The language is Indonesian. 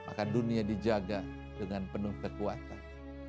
maka dunia dijaga dengan penuh kekuatan